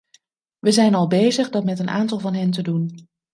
We zijn al bezig dat met een aantal van hen te doen.